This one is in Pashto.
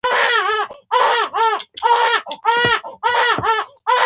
اوسیدونکي د محلي سیم کارت اخیستلو مشوره ورکوي.